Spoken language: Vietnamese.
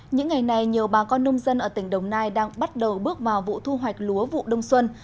những ngày này nhiều bà con nông dân ở tỉnh đồng nai đang bắt đầu bước vào vụ thu hoạch lúa vụ đông xuân